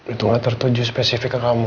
itu gak tertuju spesifik ke kamu